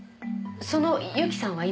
そのユキさんは今？